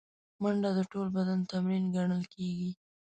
منډه د ټول بدن تمرین ګڼل کېږي